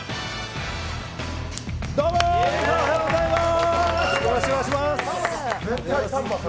どうも皆さん、おはようございます。